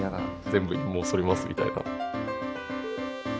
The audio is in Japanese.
全部陰毛そりますみたいな。